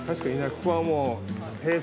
ここはもう。